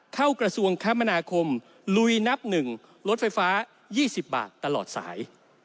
กระทรวงคมนาคมลุยนับ๑รถไฟฟ้า๒๐บาทตลอดสาย